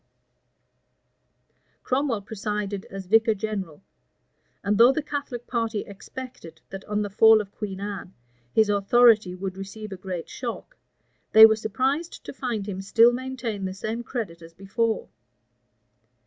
Cromwell presided as vicar general; and though the Catholic party expected, that on the fall of Queen Anne, his authority would receive a great shock, they were surprised to find him still maintain the same credit as before.